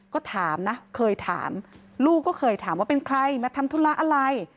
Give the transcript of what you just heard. ก็ถามนะเคยถามลูกก็เคยถามว่าเป็นใครมาทำธุระอะไร